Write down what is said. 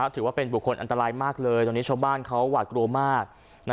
ถือว่าเป็นบุคคลอันตรายมากเลยตอนนี้ชาวบ้านเขาหวาดกลัวมาก